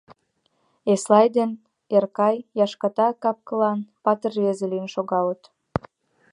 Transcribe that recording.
Эслай ден Эркай яшката кап-кылан, патыр рвезе лийын шогалыт.